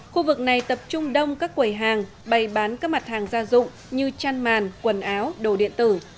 khu vực này tập trung đông các quầy hàng bày bán các mặt hàng gia dụng như chăn màn quần áo đồ điện tử